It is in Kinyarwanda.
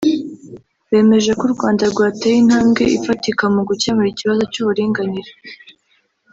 bemeje ko u Rwanda rwateye intambwe ifatika mu gukemura ikibazo cy’uburinganire